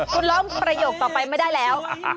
คุณร้องประโยคต่อไปไม่ได้แล้ว